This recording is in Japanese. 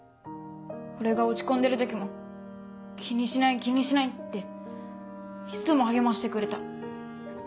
俺が落ち込んでる時も「気にしない気にしない」っていつも励ましてくれた。